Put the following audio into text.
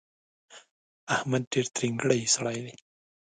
احمد ډېر ترینګلی سړی دی.